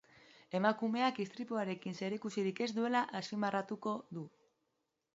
Emakumeak istripuarekin zerikusirik ez duela azpimarratuko du.